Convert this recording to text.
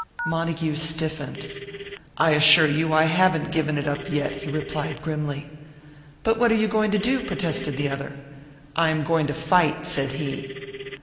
Montague stiffened. "I assure you I haven't given up yet," he replied grimly. "But what are you going to do?" protested the other. "I am going to fight," said he.